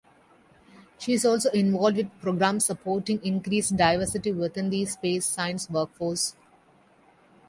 She is also involved with programmes supporting increased diversity within the space science workforce.